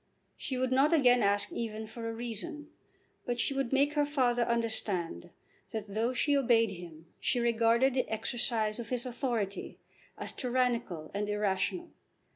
She would not again ask even for a reason. But she would make her father understand that though she obeyed him she regarded the exercise of his authority as tyrannical and irrational.